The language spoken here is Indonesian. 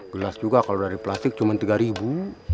gelas juga kalau dari plastik cuma tiga ribu